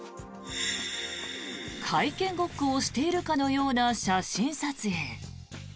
会見ごっこをしているかのような写真撮影。